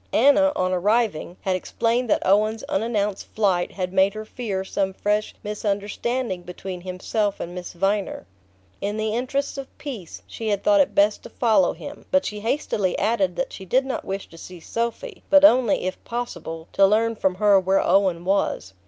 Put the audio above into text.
Anna, on arriving, had explained that Owen's unannounced flight had made her fear some fresh misunderstanding between himself and Miss Viner. In the interests of peace she had thought it best to follow him; but she hastily added that she did not wish to see Sophy, but only, if possible, to learn from her where Owen was.